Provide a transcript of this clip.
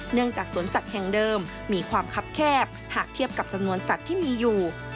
จากสวนสัตว์แห่งเดิมมีความคับแคบหากเทียบกับจำนวนสัตว์ที่มีอยู่